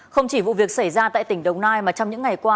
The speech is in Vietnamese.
không chỉ vụ việc xảy ra tại tỉnh đồng nai mà trong những ngày qua